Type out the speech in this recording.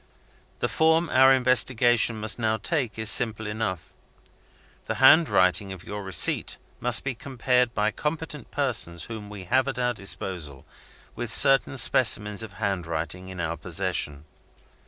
"The form our investigation must now take is simple enough. The handwriting of your receipt must be compared, by competent persons whom we have at our disposal, with certain specimens of handwriting in our possession.